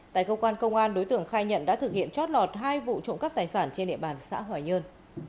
tại cơ quan công an đối tượng khai nhận đã thực hiện chót lọt hai vụ trộm cắp tài sản trên địa bàn xã hoài nhơn